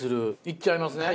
いっちゃいますね。